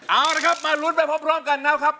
เอาละครับมาลุ้นไปพร้อมกันนะครับ